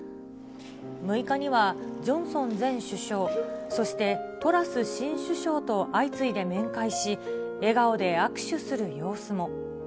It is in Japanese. ６日にはジョンソン前首相、そしてトラス新首相と相次いで面会し、笑顔で握手する様子も。